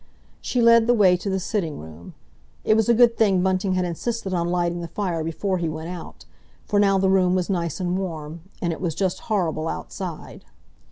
She led the way to the sitting room. It was a good thing Bunting had insisted on lighting the fire before he went out, for now the room was nice and warm—and it was just horrible outside.